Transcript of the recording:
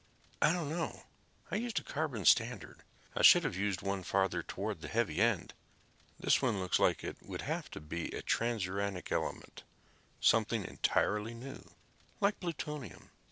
"I don't know. I used a carbon standard. I should have used one farther toward the heavy end. This one looks like it would have to be a transuranic element, something entirely new, like plutonium."